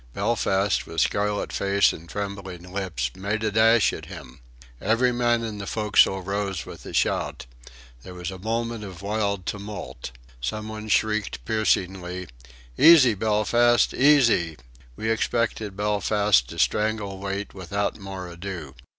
Belfast, with scarlet face and trembling lips, made a dash at him. Every man in the forecastle rose with a shout. There was a moment of wild tumult. Some one shrieked piercingly: "Easy, Belfast! Easy!..." We expected Belfast to strangle Wait without more ado.